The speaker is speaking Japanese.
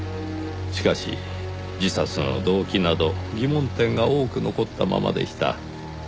しかし自殺の動機など疑問点が多く残ったままでした。